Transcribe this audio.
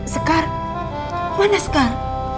sekar mana sekar